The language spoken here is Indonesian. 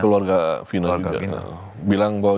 keluarga wina keluarga wina